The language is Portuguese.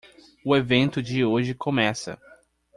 O evento de hoje começa!